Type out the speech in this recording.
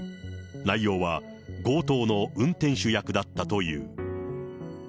内容は強盗の運転手役だったという。